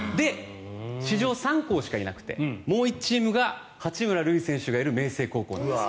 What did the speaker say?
史上３校しかいなくてもう１チームが八村塁選手がいる明成高校なんです。